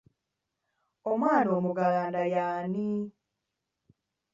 Omwana omuggalanda y'ani?